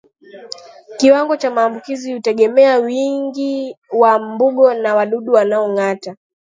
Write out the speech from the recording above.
Kiwango cha maambukizi hutegemea wingi wa mbungo na wadudu wanaongata